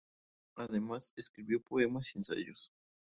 Además escribió poemas y ensayos.